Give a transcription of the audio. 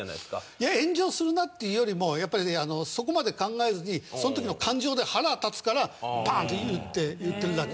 いや炎上するなっていうよりもやっぱりそこまで考えずにその時の感情で腹立つからパーンって言ってるだけ。